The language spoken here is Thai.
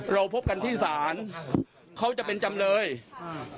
เราพบกันที่ศาลเขาจะเป็นจำเลยอ่า